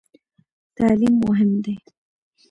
تعلیم مهم دی؟